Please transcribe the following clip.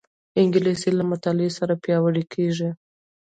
انګلیسي له مطالعې سره پیاوړې کېږي